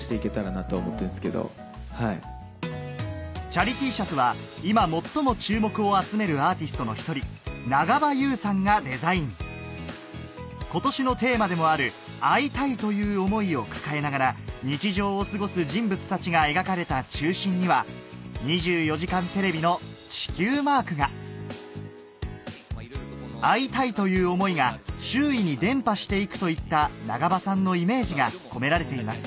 チャリＴシャツは今最も注目を集めるアーティストの１人長場雄さんがデザイン今年のテーマでもある「会いたい！」という思いを抱えながら日常を過ごす人物たちが描かれた中心には『２４時間テレビ』の地球マークが「会いたい！」という思いが周囲に伝播して行くといった長場さんのイメージが込められています